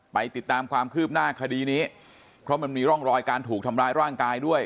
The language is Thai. ไปติดตามความคืบหน้าคดีนี้เพราะมันมีร่องรอยการถูกทำร้ายร่างกายด้วย